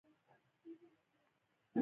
د رسنیو له لارې خلک خپل نظر څرګندوي.